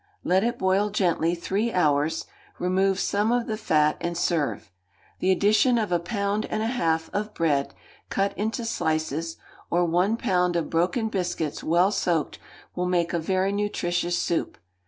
Let it boil gently three hours; remove some of the fat, and serve. The addition of a pound and a half of bread, cut into slices, or one pound of broken biscuits, well soaked, will make a very nutritious soup.